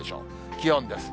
気温です。